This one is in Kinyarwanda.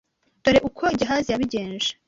Dore uko Gehazi yabigenje